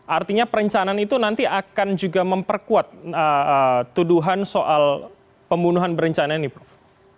artinya perencanaan itu nanti akan juga memperkuat tuduhan soal pembunuhan berencana ini prof